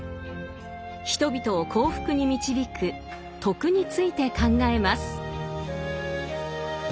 人々を幸福に導く「徳」について考えます。